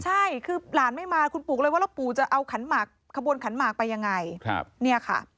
ใช่คือหลานไม่มาคุณปู่เลยว่าแล้วปู่จะเอาขันหมากขบวนขันหมากไปยังไงเนี่ยค่ะ